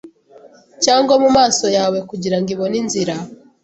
cyangwa mu maso yawe kugira ngo ibone inzira